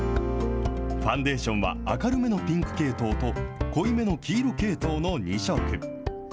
ファンデーションは、明るめのピンク系統と、濃いめの黄色系統の２色。